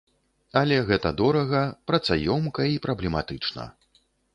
Але гэта дорага, працаёмка і праблематычна.